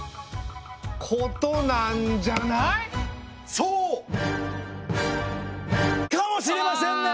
そうかもしれませんね。